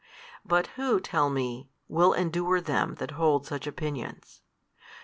But who (tell me) will endure them that hold such opinions?